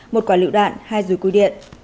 một quả lựu đạn hai dùi cuối điện